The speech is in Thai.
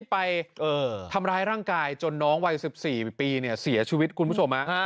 ไปทำร้ายร่างกายจนน้องวัย๑๔ปีเสียชีวิตคุณผู้ชม